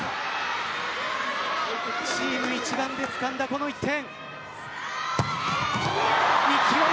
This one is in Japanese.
チーム一丸でつかんだこの１点。